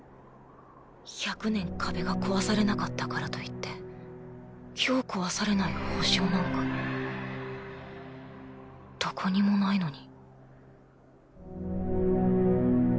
１００年壁が壊されなかったからといって今日壊されない保証なんかどこにもないのに。